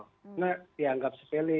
karena dianggap sepele